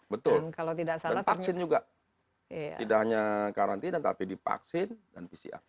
betul dan vaksin juga tidak hanya karantina tapi dipaksin dan pcr